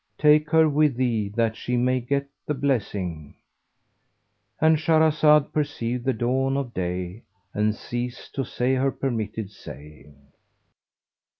Take her with thee that she may get the blessing'"—And Shahrazad perceived the dawn of day and ceased to say her permitted say.